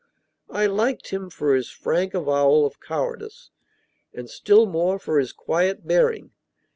I liked him for his frank avowal of cowardice, and still more for his quiet bearing.